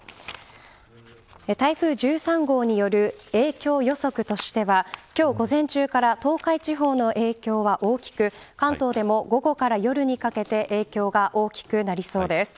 台風１３号による影響予測としては今日午前中から東海地方の影響は大きく関東でも、午後から夜にかけて影響が大きくなりそうです。